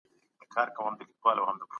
څنګه ګاونډی هیواد پر نورو هیوادونو اغیز کوي؟